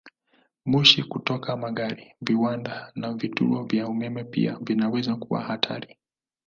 Moshi kutoka magari, viwanda, na vituo vya umeme pia vinaweza kuwa hatari.